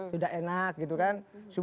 sudah enak gitu kan